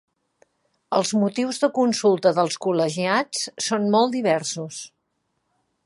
Els motius de consulta dels col·legiats són molt diversos.